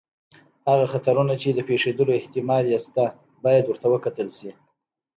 هغه خطرونه چې د پېښېدلو احتمال یې شته، باید ورته وکتل شي.